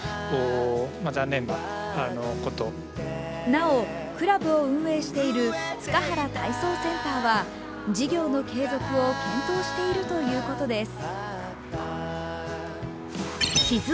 なお、クラブを運営している塚原体操センターは事業の継続を検討しているということです。